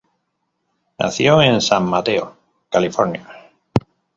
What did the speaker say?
Nació en San Mateo, California.